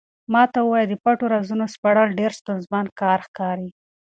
ما ته د پټو رازونو سپړل ډېر ستونزمن کار ښکاري.